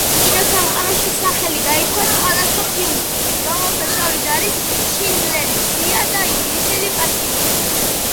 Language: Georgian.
კინოსამყაროში სახელი გაითქვა სხვადასხვა ფილმით, რომელთა შორის არის „შინდლერის სია“ და „ინგლისელი პაციენტი“.